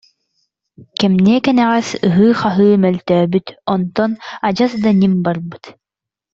Кэмниэ-кэнэҕэс ыһыы-хаһыы мөлтөөбүт, онтон адьас да «ньим» барбыт